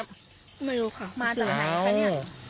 ไม่รู้ค่ะชื่ออันนี้